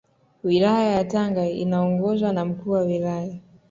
Wilaya ya Tanga inaongozwa na Mkuu wa Wilaya